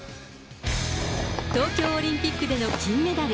東京オリンピックでの金メダル。